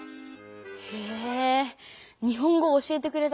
へぇ日本語を教えてくれた